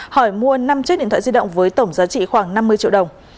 hỏi mua năm chiếc điện thoại di động với tổng giá trị khoảng năm mươi triệu đồng